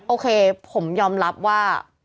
โอเคผมยอมรับว่า